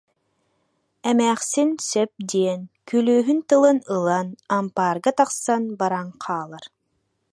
Эмээхсин сөп диэн, күлүүһүн тылын ылан, ампаарга тахсан баран хаалар